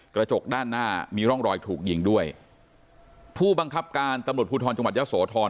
กระจกด้านหน้ามีร่องรอยถูกยิงด้วยผู้บังคับการตำรวจภูทรจังหวัดยะโสธร